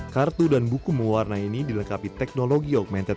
kartu dan buku mewarna ini dilengkapi teknologi augmented